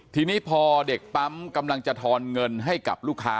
ทีนี้พอเด็กปั๊มกำลังจะทอนเงินให้กับลูกค้า